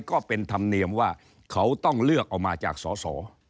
ก็เป็นธรรมเนียมว่าเขาต้องเลือกเอามาจากสอสอ